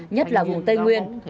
nhất là vùng tây nguyên